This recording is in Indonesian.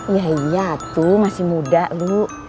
ya iya tuh masih muda lu